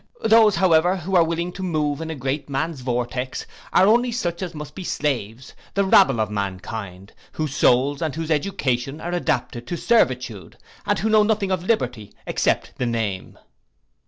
Those, however, who are willing to move in a great man's vortex, are only such as must be slaves, the rabble of mankind, whose souls and whose education are adapted to servitude, and who know nothing of liberty except the name.